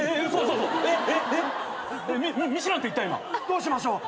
どうしましょう？